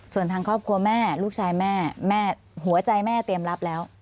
ส่วนทางครอบครัวแม่ลูกชายแม่แม่หัวใจแม่เตรียมรับแล้ว